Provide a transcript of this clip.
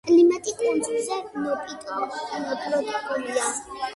კლიმატი კუნძულზე ნოტიო ტროპიკულია.